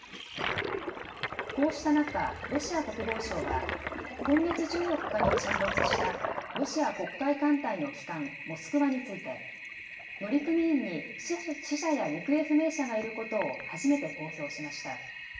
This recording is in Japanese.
こうした中、ロシア国防省は、今月１４日に沈没したロシア黒海艦隊の旗艦、モスクワについて、乗組員に死者や行方不明がいることを初めて公表しました。